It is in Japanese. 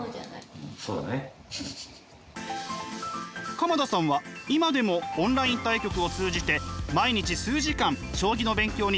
鎌田さんは今でもオンライン対局を通じて毎日数時間将棋の勉強に費やしています。